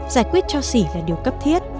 giải quyết cho xỉ là điều cấp thiết